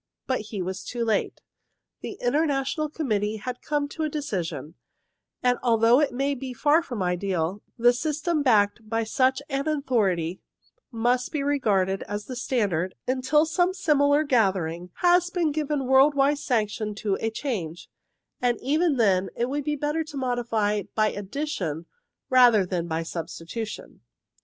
But he was too late. The International Committee had come to a decision, and, although it may be far from ideal, the system backed by such an authority must be regarded as the standard until some similar gathering has given worldwide sanction to a change, and even then it would INTERNATIONAL NAMES ii be better to modify by addition rather than by substitution.